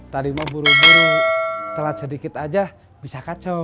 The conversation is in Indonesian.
taslimah buru buru telat sedikit aja bisa kacau